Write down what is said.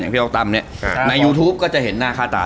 พี่อ๊อตั้มเนี่ยในยูทูปก็จะเห็นหน้าค่าตา